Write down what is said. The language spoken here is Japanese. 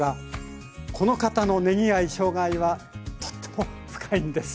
この方のねぎ愛・しょうが愛はとっても深いんです。